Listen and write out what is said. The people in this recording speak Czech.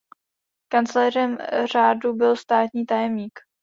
Kancléřem řádu byl státní tajemník.